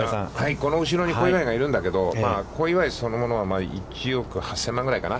この後ろに小祝がいるんだけど、小祝そのものは１億８０００万円くらいかな。